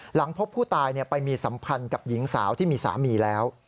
หลังพบผู้ตายไปมีสัมพันธ์กับหญิงสาวที่มีสามีแล้ว